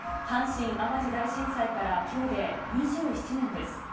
阪神・淡路大震災からきょうで２７年です。